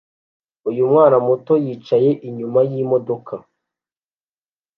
Uyu mwana muto yicaye inyuma yimodoka